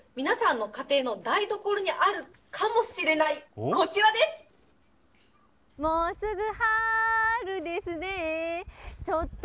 皆さんの家庭の台所にあるかもしれない、こちらです。